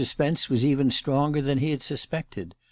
Spence was even stronger than he had suspected.